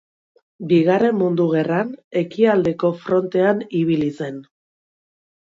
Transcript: Bigarren Mundu Gerran ekialdeko frontean ibili zen.